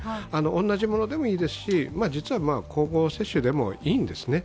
同じものでもいいですし、実は交互接種でもいいんですね。